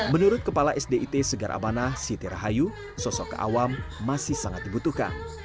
menurut kepala sdit segarabana siti rahayu sosok ke awam masih sangat dibutuhkan